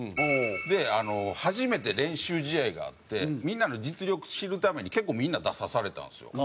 で初めて練習試合があってみんなの実力知るために結構みんな出さされたんですよ。